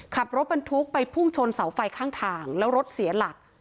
ขับรถบรรทุกไปพุ่งชนเสาไฟข้างทางแล้วรถเสียหลัก